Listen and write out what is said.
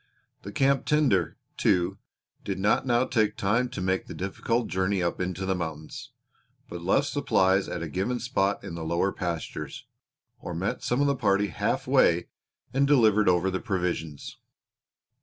The camp tender, too, did not now take time to make the difficult journey up into the mountains, but left supplies at a given spot in the lower pastures, or met some of the party half way and delivered over the provisions.